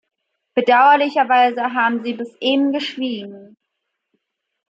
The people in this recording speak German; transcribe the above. Bedauerlicherweise haben Sie bis eben geschwiegen.